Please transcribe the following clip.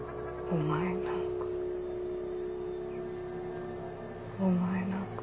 お前なんか。